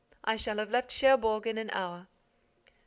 I shall have left Cherbourg in an hour."